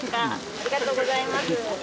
ありがとうございます。